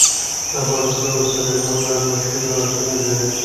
افغانستان د سلیمان غر مشهور روایتونه لري.